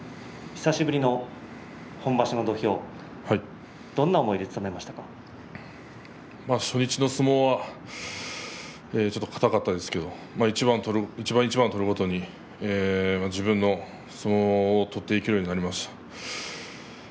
久しぶりの本場所の土俵初日の相撲はちょっと硬かったですけれど一番一番取るごとに自分の相撲を取っていけるようになりました。